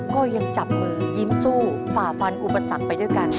ก็ยังจับมือยิ้มสู้ฝ่าฟันอุปสรรคไปด้วยกัน